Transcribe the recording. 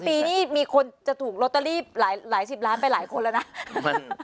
ปีนี้มีคนจะถูกลอตเตอรี่หลายสิบล้านไปหลายคนแล้วนะ